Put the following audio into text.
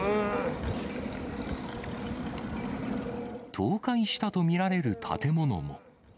倒壊したと見られる建物も。